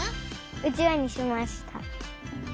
うちわにしました。